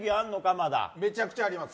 めちゃくちゃあります。